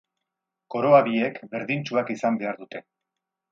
Koroa biek berdintsuak izan behar dute.